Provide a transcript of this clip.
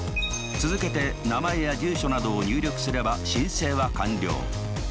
続けて名前や住所などを入力すれば申請は完了。